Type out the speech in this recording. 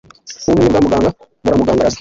Ubumenyi bwa muganga buramugaragaza,